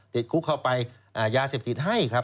ติดคุกเข้าไปยาเสพติดให้ครับ